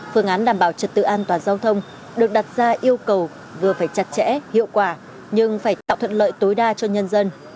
phương án đảm bảo trật tự an toàn giao thông được đặt ra yêu cầu vừa phải chặt chẽ hiệu quả nhưng phải tạo thuận lợi tối đa cho nhân dân